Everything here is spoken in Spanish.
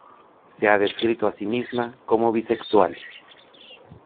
Se ha descrito a sí misma como bisexual.